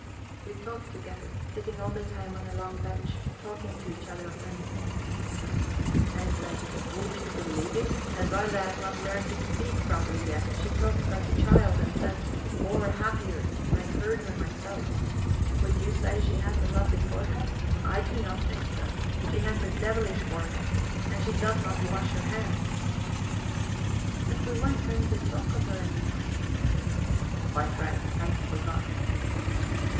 We talked together, sitting all the time on a long bench, talking to each other of many things. I said: "Would you believe it? Edwarda has not learnt to speak properly yet; she talks like a child, and says 'more happier.' I heard her myself. Would you say she had a lovely forehead? I do not think so. She has a devilish forehead. And she does not wash her hands." "But we weren't going to talk of her any more." "Quite right. I forgot."